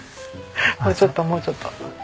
もうちょっともうちょっと。